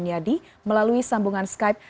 jun yadi melalui sambungan skype